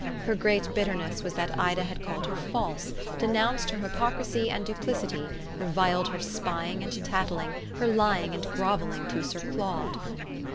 Her great bitterness was that Ida had called her false, denounced her hypocrisy and duplicity, reviled her spying and tattling, her lying and grovelling to Sir Claude.